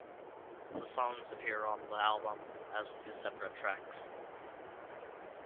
The songs appear on the album as two separate tracks.